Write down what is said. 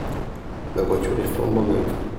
ma voiture est flambant neuve.